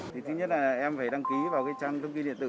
thì thứ nhất là em phải đăng ký vào cái trang thông tin điện tử